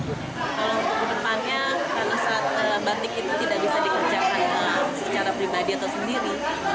kalau ke depannya karena batik itu tidak bisa dikerjakan secara pribadi atau sendiri